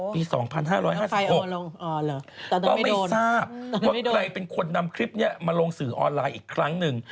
ปี๒๕๕๖ก็ไม่ทราบว่าใครเป็นคนนำคลิปนี้มาลงสื่อออนไลน์อีกครั้งหนึ่ง